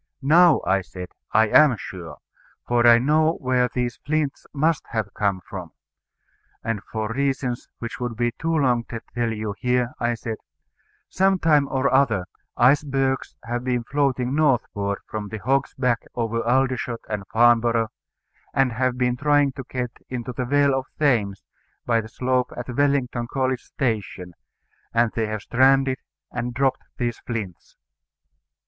"Now," I said, "I am sure. For I know where these flints must have come from." And for reasons which would be too long to tell you here, I said, "Some time or other, icebergs have been floating northward from the Hog's Back over Aldershot and Farnborough, and have been trying to get into the Vale of Thames by the slope at Wellington College station; and they have stranded, and dropped these flints."